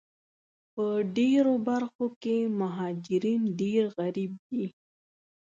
په ډېرو برخو کې مهاجرین ډېر غریب دي